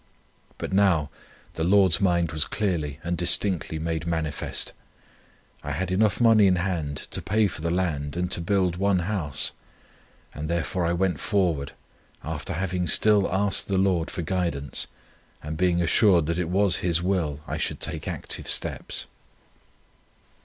But now the Lord's mind was clearly and distinctly made manifest. I had enough money in hand to pay for the land and to build one house, and therefore I went forward, after having still asked the Lord for guidance, and being assured that it was His will I should take active steps.